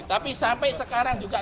tapi sampai sekarang juga